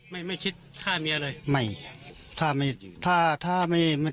ไม่มีคิดถ้ามีอะไร